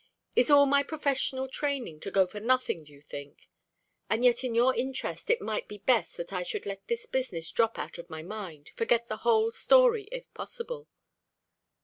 Is all my professional training to go for nothing, do you think? And yet in your interest it might be best that I should let this business drop out of my mind forget the whole story if possible."